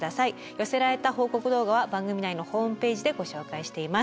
寄せられた報告動画は番組内のホームページでご紹介しています。